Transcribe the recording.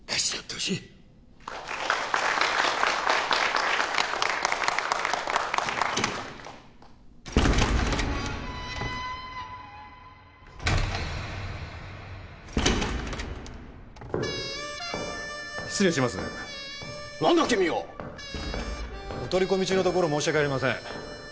お取り込み中のところ申し訳ありません。